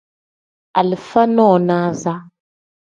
Alifa nonaza.